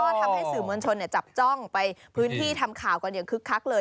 ทำให้สื่อมวลชนจับจ้องไปพื้นที่ทำข่าวกันอย่างคึกคักเลย